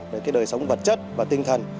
về cái đời sống vật chất và tinh thần